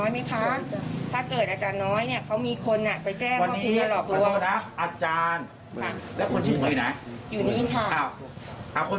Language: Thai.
ไม่ได้พูดอย่างนั้นฉันบอกว่าหนูเป็นตำหนักเล็ก